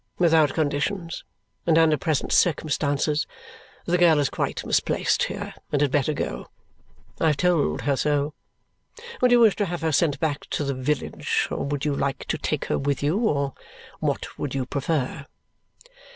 Without conditions, and under present circumstances, the girl is quite misplaced here and had better go. I have told her so. Would you wish to have her sent back to the village, or would you like to take her with you, or what would you prefer?"